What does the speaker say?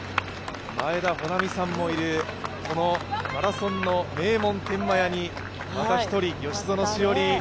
前田穂南さんもいるマラソンの名門、天満屋にまた一人、吉薗栞。